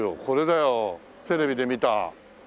これだよテレビで見た。